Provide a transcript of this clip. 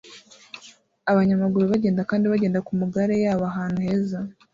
Abanyamaguru bagenda kandi bagenda ku magare yabo ahantu heza